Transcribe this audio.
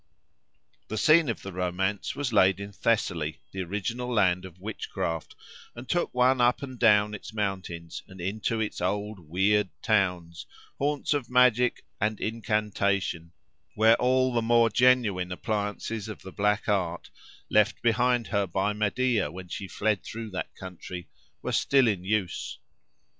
The scene of the romance was laid in Thessaly, the original land of witchcraft, and took one up and down its mountains, and into its old weird towns, haunts of magic and incantation, where all the more genuine appliances of the black art, left behind her by Medea when she fled through that country, were still in use.